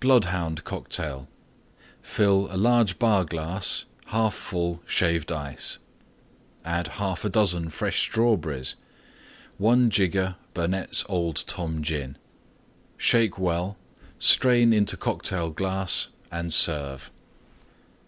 BLOOD HOUND COCKTAIL Fill large Bar glass 1/2 full Shaved Ice. Add 1/2 dozen fresh Strawberries. 1 jigger Burnette's Old Tom Gin. Shake well; strain into Cocktail glass and serve.